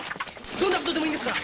どんなことでもいいんですが！